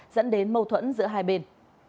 dẫn đến mâu thuẫn giữa hai bên